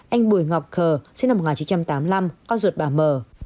anh bùi ngọc khờ sinh năm một nghìn chín trăm tám mươi năm con ruột bà mờ